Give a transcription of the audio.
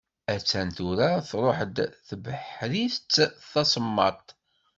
Attan tura truḥ-d tebḥritt d tasemmaḍt.